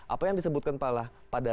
apa yang disebutkan pak pada